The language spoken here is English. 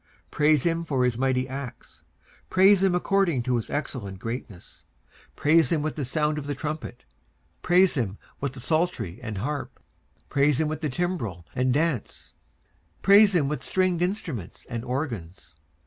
19:150:002 Praise him for his mighty acts: praise him according to his excellent greatness. 19:150:003 Praise him with the sound of the trumpet: praise him with the psaltery and harp. 19:150:004 Praise him with the timbrel and dance: praise him with stringed instruments and organs.